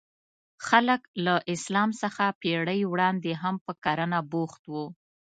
خلک له اسلام څخه پېړۍ وړاندې هم په کرنه بوخت وو.